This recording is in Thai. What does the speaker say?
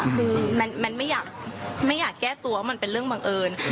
คือมันไม่อยากแก้ตัวมันเป็นเรื่องบังเอิญ